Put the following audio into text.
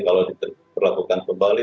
kalau diperlakukan kembali